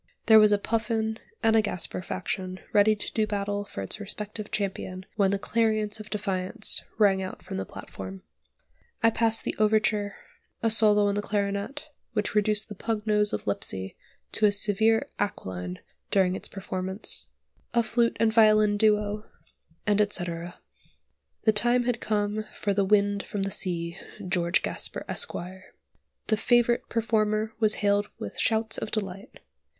There was a Puffin and a Gasper faction ready to do battle for its respective champion when the clarion of defiance rang out from the platform. I pass the overture, a solo on the clarionet, which reduced the pug nose of Lipsey to a severe aquiline during its performance; a flute and violin duo, and etc. The time had come for "The Wind from the Sea" (George Gasper Esq.). The favourite performer was hailed with shouts of delight.